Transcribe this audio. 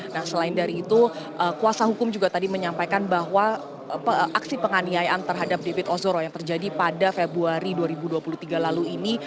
nah selain dari itu kuasa hukum juga tadi menyampaikan bahwa aksi penganiayaan terhadap david ozoro yang terjadi pada februari dua ribu dua puluh tiga lalu ini